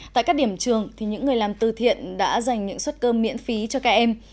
tại các điểm trường những người làm tư thiện đã dành những suất cơm miễn phí cho các em